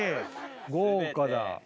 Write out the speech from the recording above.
豪華だ。